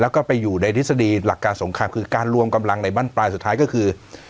แล้วก็ไปอยู่ในทฤษฎีหลักการสงครามคือการรวมกำลังในบ้านปลายสุดท้ายก็คือ